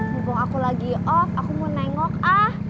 mumpung aku lagi oh aku mau nengok ah